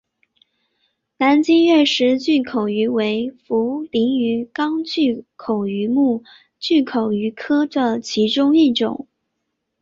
南极掠食巨口鱼为辐鳍鱼纲巨口鱼目巨口鱼科的其中一种。